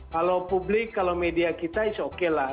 kalau publik kalau media kita itu oke lah